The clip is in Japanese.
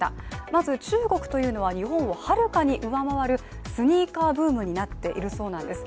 まず中国というのは日本をはるかに上回るスニーカーブームになっているそうなんです。